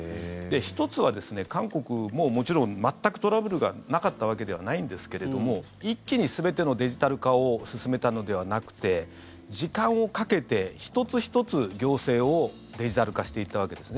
１つは、韓国ももちろん全くトラブルがなかったわけではないんですが一気に全てのデジタル化を進めたのではなくて時間をかけて１つ１つ、行政をデジタル化していったわけです。